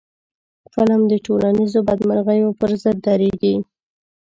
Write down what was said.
فلم د ټولنیزو بدمرغیو پر ضد درېږي